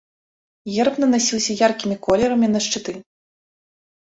Герб нанасіўся яркімі колерамі на шчыты.